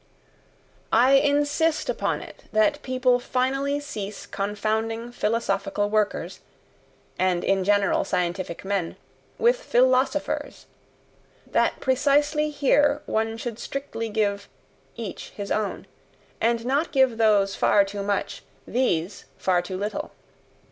I insist upon it that people finally cease confounding philosophical workers, and in general scientific men, with philosophers that precisely here one should strictly give "each his own," and not give those far too much, these far too little.